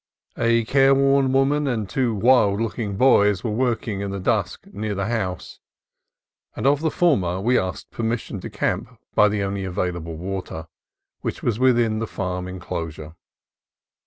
A careworn woman and two wild looking boys were working in the dusk near the house, and of the former we asked permission to camp by the only available water, which was within the farm enclos ure.